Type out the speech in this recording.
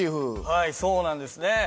はいそうなんですね。